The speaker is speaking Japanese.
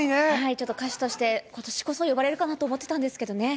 ちょっと歌手として、ことしこそ呼ばれるかなと思ってたんですけどね。